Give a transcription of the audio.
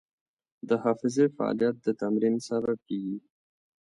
د حافظې فعالیت د تمرین سبب کېږي.